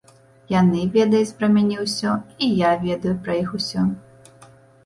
Яны ведаюць пра мяне ўсё, і я ведаю пра іх усё.